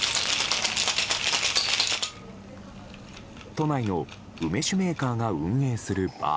都内の梅酒メーカーが運営するバー。